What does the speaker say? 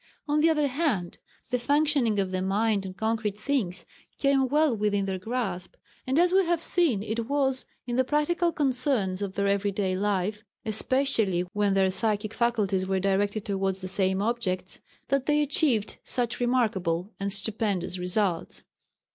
On the other hand the functioning of the mind on concrete things came well within their grasp, and as we have seen it was in the practical concerns of their every day life, especially when their psychic faculties were directed towards the same objects, that they achieved such remarkable and stupendous results.